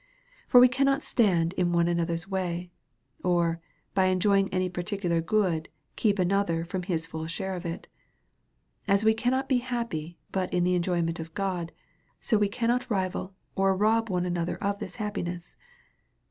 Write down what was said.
For we cannot stand in one another's way ; or, by enjoying any particular good, keep another from his full share of it. As we cannot be happy, but in the enjoyment of God, so we cannot rival, or rob one another of this happiness.